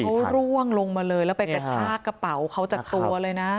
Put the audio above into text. เขาร่วงลงมาเลยแล้วไปกระชากกระเป๋าเขาจากตัวเลยนะ